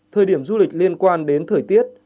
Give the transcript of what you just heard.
thời điểm du lịch liên quan đến thời tiết